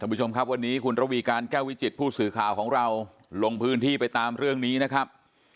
ผู้ชมครับวันนี้คุณระวีการแก้ววิจิตผู้สื่อข่าวของเราลงพื้นที่ไปตามเรื่องนี้นะครับ